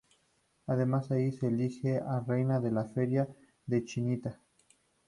Además allí se elige a "Reina de la feria de la Chinita".